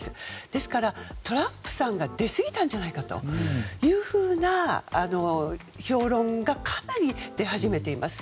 ですから、トランプさんが出すぎたんじゃないかというふうな評論がかなり出始めています。